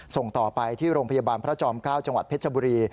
ส่งต่อไปที่โรงพยาบาลพระจอม๙จังหวัดเพชรบุรี